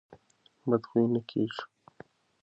بد خویه نه کېږي.